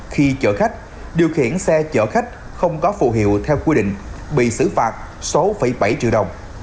khi chở khách điều khiển xe chở khách không có phụ hiệu theo quy định bị xử phạt sáu bảy triệu đồng